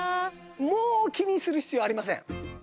もう気にする必要ありません。